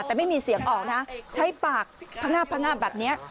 แต่ไม่มีเสียงออกนะใช้ปากพงาบพงาบแบบนี้